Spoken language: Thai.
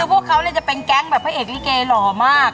พวกเขาจะเป็นแก๊งแบบพระเอกลิเกหล่อมาก